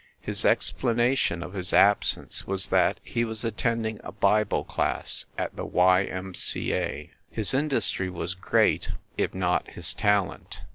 His explanation of his absence was that he was attending a Bible class at the Y. M. C. A. His industry was great, if not his talent.